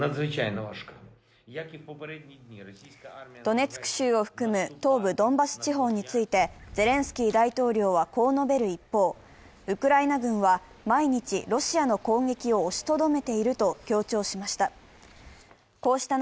ドネツク州を含む東部ドンバス地方についてゼレンスキー大統領はこう述べる一方、ウクライナ軍は毎日、ロシアの攻撃を押しとどめていると強調しました。